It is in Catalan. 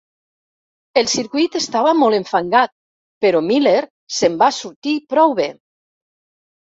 El circuit estava molt enfangat, però Miller se'n va sortir prou bé.